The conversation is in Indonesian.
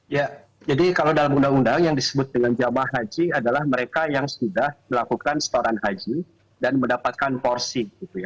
ya jadi kalau dalam undang undang yang disebut dengan jamaah haji adalah mereka yang sudah melakukan setoran haji dan mendapatkan porsi